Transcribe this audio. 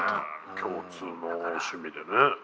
共通の趣味でね。